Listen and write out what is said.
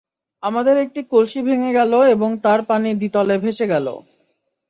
আমাদের একটি কলসি ভেঙ্গে গেল এবং তার পানি দ্বিতলে ভেসে গেল।